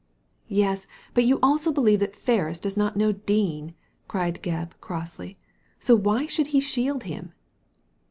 "Yes, but you also believe that Ferris does not know Dean," cried Gebb, crossly; "so why should he shield him